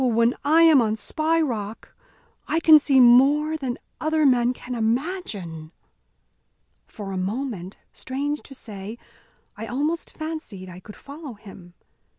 when I am on Spy Rock I can see more than other men can imagine." For a moment, strange to say, I almost fancied could follow him.